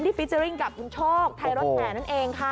ฟิเจอร์ริ่งกับคุณโชคไทยรถแห่นั่นเองค่ะ